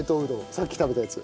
さっき食べたやつ。